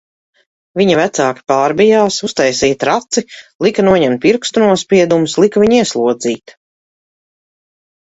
Viņa vecāki pārbijās, uztaisīja traci, lika noņemt pirkstu nospiedumus, lika viņu ieslodzīt...